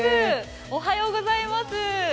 おはようございます。